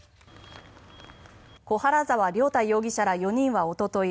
小原澤亮太容疑者ら４人はおととい